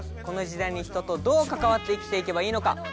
「この時代に人とどう関わって生きていけばいいのか」